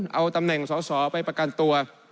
เอาตำแหน่งสอสอไปประกันตัว